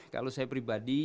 kalau saya pribadi